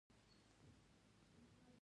غزنی د اولیاوو ښار دی.